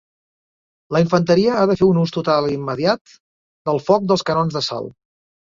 La infanteria ha de fer un ús total i immediat del foc dels canons d'assalt.